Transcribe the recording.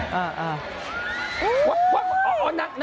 เห็นเสื้อเหลืองไหมเห็นเสื้อเหลืองเจ๊